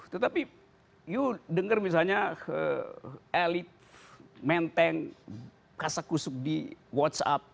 tetapi you dengar misalnya elit menteng kasak kusuk di whatsapp